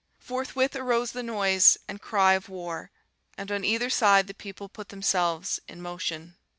Forthwith arose the noise and cry of war, and on either side the people put themselves in motion.